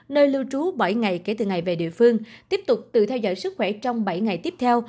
nơi lưu trú bảy ngày kể từ ngày về địa phương tiếp tục tự theo dõi sức khỏe trong bảy ngày tiếp theo